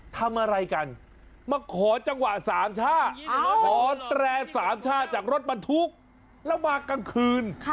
ทำอะไรกันมาขอจังหวะสามช่าขอแตรสามช่าจากรถบรรทุกแล้วมากลางคืน